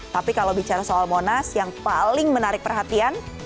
tapi kalau bicara soal monas yang paling menarik perhatian